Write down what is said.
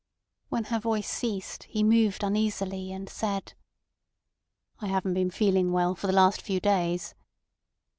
When her voice ceased he moved uneasily, and said: "I haven't been feeling well for the last few days."